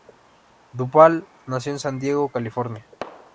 Duvall nació en San Diego, California.